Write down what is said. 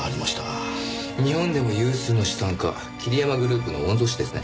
日本でも有数の資産家桐山グループの御曹司ですね。